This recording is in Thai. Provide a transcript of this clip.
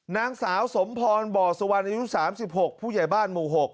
นางสาวสมพรบ่อสุวรรณอายุ๓๖ผู้ใหญ่บ้านหมู่๖